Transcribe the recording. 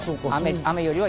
雨よりは雪。